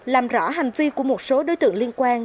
làm rõ hành vi của một số đối tượng liên quan